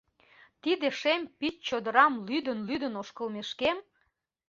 Тиде шем пич чодырам лӱдын-лӱдын ошкылмешкем